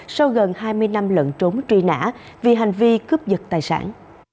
sau gần hai mươi năm lận trốn truy nã vì hành vi cướp giật tài sản